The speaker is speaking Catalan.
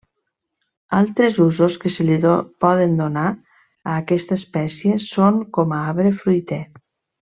Altres usos que se li poden donar a aquesta espècie són com a arbre fruiter.